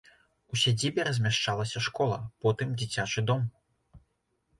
У сядзібе размяшчалася школа, потым дзіцячы дом.